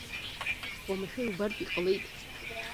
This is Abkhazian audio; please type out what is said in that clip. Уамашәа иубартә иҟалеит.